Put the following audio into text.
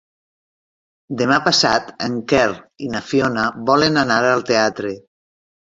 Demà passat en Quer i na Fiona volen anar al teatre.